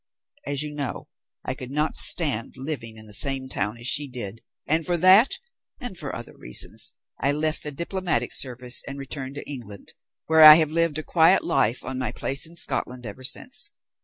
As you know, I could not stand living in the same town as she did, and for that, and for other reasons, I left the Diplomatic Service and returned to England, where I have lived a quiet life on my place in Scotland ever since.